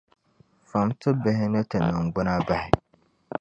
Fam ti bihi ni ti niŋgbuna bahi!